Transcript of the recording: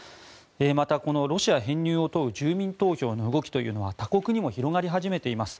また、このロシア編入を問う住民投票の動きというのは他国にも広がり始めています。